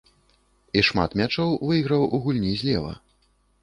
І шмат мячоў выйграў у гульні злева.